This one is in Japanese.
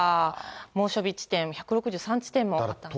猛暑日地点１６３地点もあったんですね。